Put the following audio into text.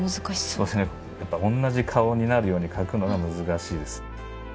そうですねやっぱ同じ顔になるように描くのが難しいです。